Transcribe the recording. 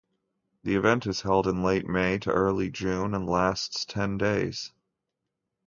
The event is held in late May to early June and lasts ten days.